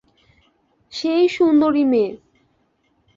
সেই সুন্দরী মেয়ে।